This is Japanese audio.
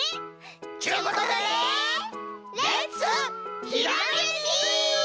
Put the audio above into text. ちゅうことでレッツひらめき！